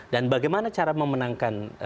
dan bagaimana cara memenangkan